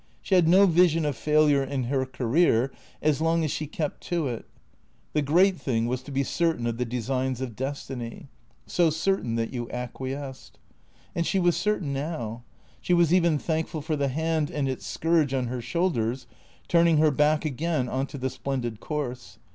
She had no vision of failure in her career as long as she kept to it. The great thing was to be certain of the designs of destiny ; so certain that you acquiesced. And she was certain now; she was even thankful for the hand and its scourge on her shoulders, turning her back again on to the splendid course.